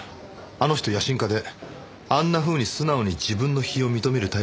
あの人野心家であんなふうに素直に自分の非を認めるタイプじゃないのに。